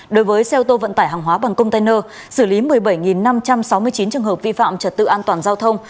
đối với xe ô tô vận tải hàng hóa bằng container xử lý một mươi bảy năm trăm sáu mươi chín trường hợp vi phạm trật tự an toàn giao thông